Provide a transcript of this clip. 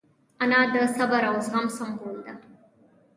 انا د صبر او زغم سمبول ده